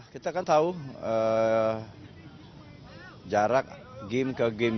kita kan tahu jarak game ke game